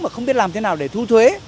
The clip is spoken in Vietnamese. mà không biết làm thế nào để thu thuế